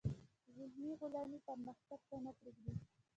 ذهني غلامي پرمختګ ته نه پریږدي.